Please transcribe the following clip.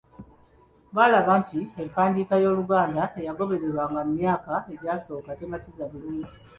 Baalaba nti empandiika y’Oluganda eyagobererwanga mu myaka egyasooka tematiza bulungi.